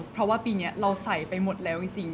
เพราะว่าปีนี้เราใส่ไปหมดแล้วจริง